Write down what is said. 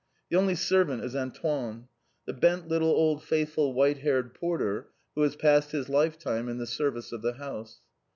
The only servant is Antoine, the bent little old faithful white haired porter, who has passed his lifetime in the service of the house.